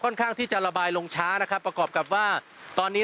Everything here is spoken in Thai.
ข้างที่จะระบายลงช้านะครับประกอบกับว่าตอนนี้